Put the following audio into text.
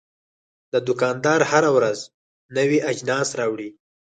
دا دوکاندار هره ورځ نوي اجناس راوړي.